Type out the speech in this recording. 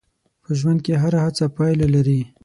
په ژوند کې هره هڅه پایله لري.